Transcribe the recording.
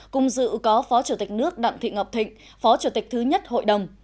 cùng dự có phó chủ tịch nước đặng thị ngọc thịnh phó chủ tịch thứ nhất hội đồng